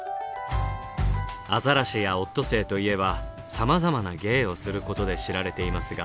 アザラシやオットセイといえばさまざまな芸をすることで知られていますが。